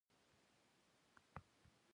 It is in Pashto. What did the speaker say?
هغې د زړه له کومې د لرګی ستاینه هم وکړه.